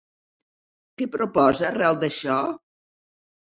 Què proposa arrel d'això?